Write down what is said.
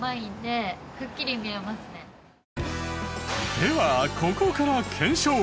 ではここから検証！